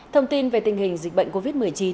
thông tin về tình hình dịch bệnh covid một mươi chín